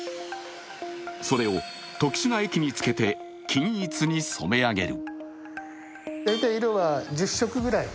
それを特殊な液につけて均一に染め上げる。